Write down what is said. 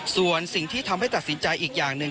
ส่วนสิ่งที่ทำให้ตัดสินใจอีกอย่างหนึ่ง